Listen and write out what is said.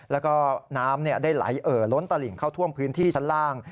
แล้วก็น้ำได้ไหลเอ่อล้นตลิ่งเข้าท่วมพื้นที่ชั้นล่าง